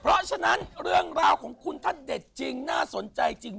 เพราะฉะนั้นเรื่องราวของคุณถ้าเด็ดจริงน่าสนใจจริง